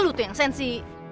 lu tuh yang sensi